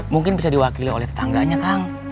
mungkin bisa diwakili oleh tetangganya kang